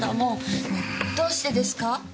どうしてですか？